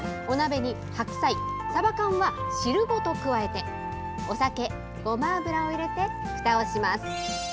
お鍋に白菜さば缶は汁ごと加えてお酒、ごま油を入れてふたをします。